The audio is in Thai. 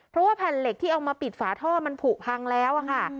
เพราะว่าแผ่นเหล็กที่เอามาปิดฝาท่อมันผูกพังแล้วค่ะ